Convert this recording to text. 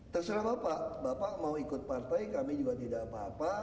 terserah bapak bapak mau ikut partai kami juga tidak apa apa